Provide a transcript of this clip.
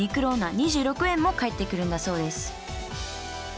２６円も返ってくるんだそうです